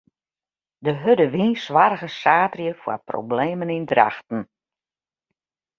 De hurde wyn soarge saterdei foar problemen yn Drachten.